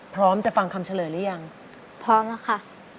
พร้อมจะฟังคำเฉลยหรือยังพร้อมแล้วค่ะ